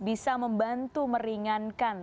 bisa membantu meringankan